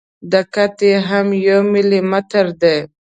دقت یې هم یو ملي متر دی.